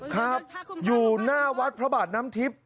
ครับอยู่หน้าวัดพระบาทน้ำทิพย์